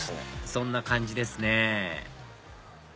そんな感じですね